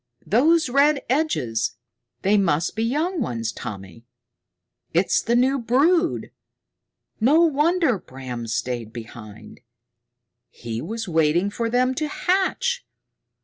"Those red edges? They must be young ones, Tommy. It's the new brood! No wonder Bram stayed behind! He was waiting for them to hatch!